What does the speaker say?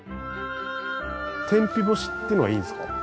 天日干しってのがいいんですか？